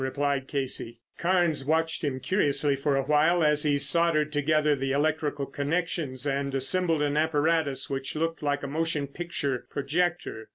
replied Casey. Carnes watched him curiously for a while as he soldered together the electrical connections and assembled an apparatus which looked like a motion picture projector.